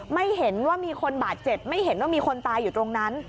ไม่เห็นว่ามีคนบาดเจ็บไม่เห็นว่ามีคนตายอยู่ตรงนั้น